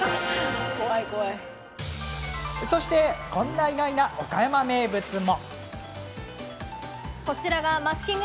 そして、こんな意外な岡山名物も。